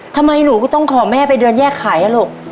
ทำไมหนูก็ต้องขอแม่ไปเดินแยกขายอ่ะลูก